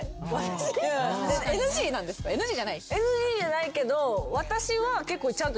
ＮＧじゃないけど。